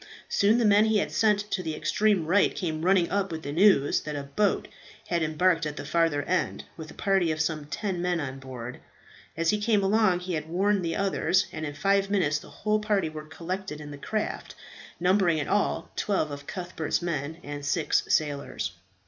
Soon the man he had sent to the extreme right came running up with the news that a boat had embarked at the farther end, with a party of some ten men on board. As he came along he had warned the others, and in five minutes the whole party were collected in the craft, numbering in all twelve of Cuthbert's men and six sailors.